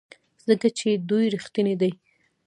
ځکه چې دوی ریښتیني دي.